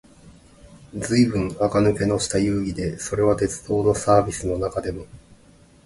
ずいぶん垢抜けのした遊戯で、それは鉄道のサーヴィスの中でも、